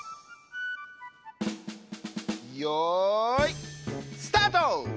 よいスタート！